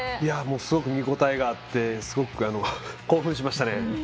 すごく見応えがあってすごく興奮しましたね。